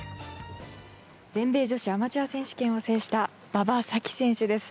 全米女子アマチュア選手権を制した馬場咲希選手です。